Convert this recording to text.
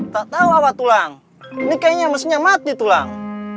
tak tau awak tulang ini kayaknya mesinnya mati tulang